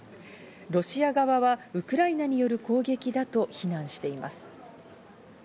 ロシア側はウクライナによる攻撃だと非難しています。